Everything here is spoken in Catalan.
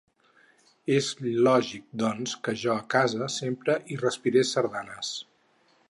És lògic, doncs, que jo a casa sempre hi respirés sardanes.